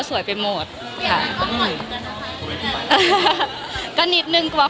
วิวจะทำยังไงบ้าง